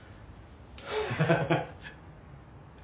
ハハハハ。